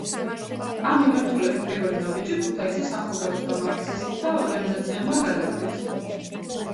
ამ მიმართულებით პირველი ნაბიჯი ქუთაისის ახალგაზრდა მარქსისტთა ორგანიზაციებმა გადადგეს.